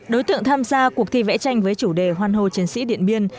đối tượng tham gia cuộc thi vẽ tranh với chủ đề hoan hô chiến sĩ điện biên